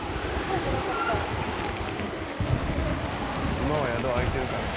今は宿開いてるからね。